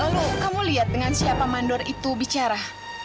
lalu kamu lihat dengan siapa mandor itu bicara